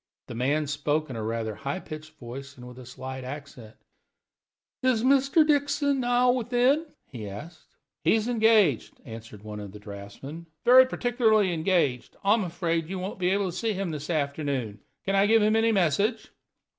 The man spoke in a rather high pitched voice and with a slight accent. "Is Mr. Dixon now within?" he asked. "He is engaged," answered one of the draughtsmen; "very particularly engaged. I am afraid you won't be able to see him this afternoon. Can I give him any message?"